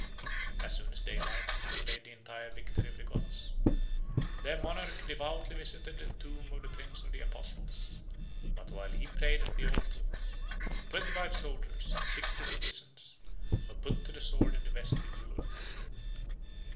As soon as daylight had displayed the entire victory of the Goths, their monarch devoutly visited the tomb of the prince of the apostles; but while he prayed at the altar, twenty five soldiers, and sixty citizens, were put to the sword in the vestibule of the temple.